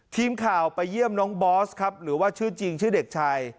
ทีมข่าวไปเยี่ยมน้องบอสครับหรือว่าชื่อจริงชื่อเด็กชาย